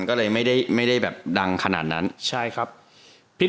ก็เลยไม่ได้ดังขนาดนั้น